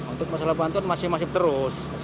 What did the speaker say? untuk masalah bantuan masih masih terus